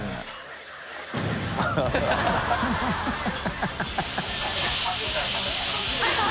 ハハハ